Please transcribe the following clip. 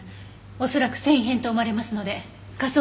恐らく繊維片と思われますので科捜研で鑑定します。